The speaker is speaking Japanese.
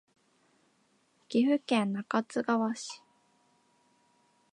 岐阜県中津川市